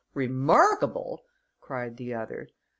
"Remarkable!" cried the other.